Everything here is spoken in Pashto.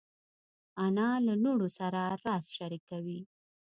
انا له لوڼو سره راز شریکوي